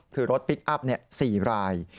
คือรถพลิกอัพเนี่ย๔ราย